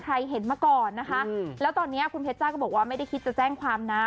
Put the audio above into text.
เห็นมาก่อนนะคะแล้วตอนนี้คุณเพชรจ้าก็บอกว่าไม่ได้คิดจะแจ้งความนะ